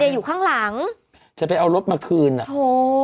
เนี้ยอยู่ข้างหลังจะไปเอารถมาคืนโอ้